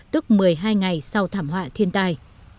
tức một mươi hai ngày sau thảm họa thiên tai